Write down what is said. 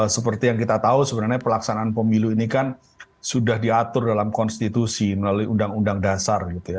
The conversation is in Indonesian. seperti yang kita tahu sebenarnya pelaksanaan pemilu ini kan sudah diatur dalam konstitusi melalui undang undang dasar gitu ya